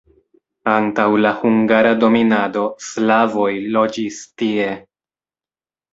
Antaŭ la hungara dominado slavoj loĝis tie.